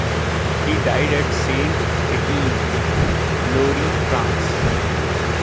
He died at Saint Etienne, Loire, France.